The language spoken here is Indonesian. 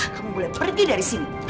kamu boleh pergi dari sini